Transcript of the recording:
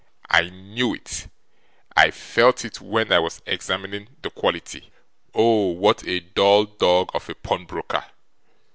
I knew it! I felt it when I was examining the quality. Oh, what a dull dog of a pawnbroker!